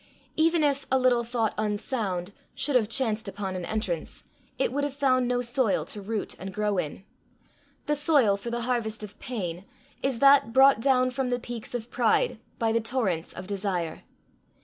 Even if "a little thought unsound" should have chanced upon an entrance, it would have found no soil to root and grow in: the soil for the harvest of pain is that brought down from the peaks of pride by the torrents of desire.